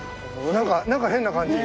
・何か変な感じ。